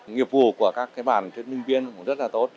nghiệp vụ của các bạn thuyết minh viên cũng rất là tốt